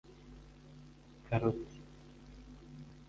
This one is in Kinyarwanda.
karoti